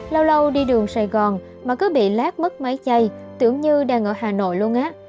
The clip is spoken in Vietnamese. lâu lâu đi đường sài gòn mà cứ bị lát mất máy chay tưởng như đang ở hà nội luôn á